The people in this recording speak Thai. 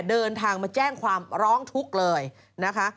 เดินทางมาแจ้งความร้องทุกข์เลยนะคะ